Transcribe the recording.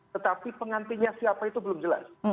tetapi pengantinnya siapa itu belum jelas